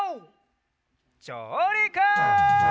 じょうりく！